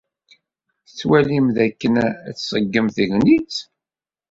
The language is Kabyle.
Tettwaliḍ dakken ad tṣeggem tegnit?